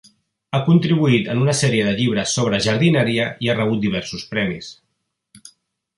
Ha contribuït en una sèrie de llibres sobre jardineria i ha rebut diversos premis.